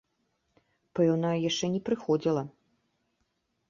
Пэўна, яшчэ не прыходзіла.